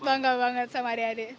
bangga banget sama adik adik